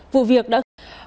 vụ việc đã khai sát